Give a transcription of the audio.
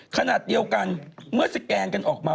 ขณะเดียวกันเมื่อสแกนกันออกมา